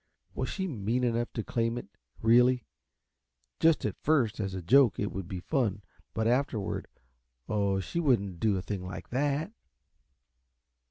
Was she mean enough to claim it really? Just at first, as a joke, it would be fun, but afterward, oh, she wouldn't do a thing like that!